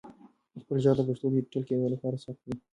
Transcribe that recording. خپل ږغ د پښتو د ډیجیټل کېدو لپاره ثبت کړئ.